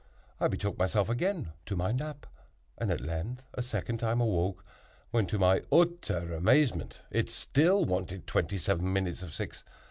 I betook myself again to my nap, and at length a second time awoke, when, to my utter amazement, it still wanted twenty seven minutes of six.